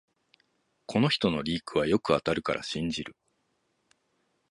この人のリークはよく当たるから信じる